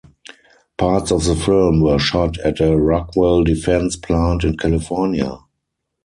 Parts of the film were shot at a Rockwell Defense Plant in California.